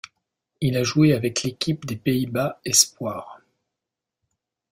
Il a joué avec l'équipe des Pays-Bas espoirs.